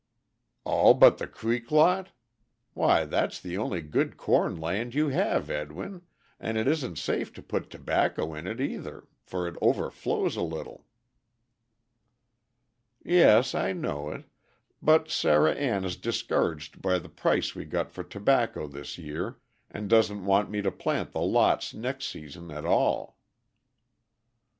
"All but the creek lot? Why that's the only good corn land you have, Edwin, and it isn't safe to put tobacco in it either, for it overflows a little." "Yes, I know it. But Sarah Ann is discouraged by the price we got for tobacco this year, and doesn't want me to plant the lots next season at all."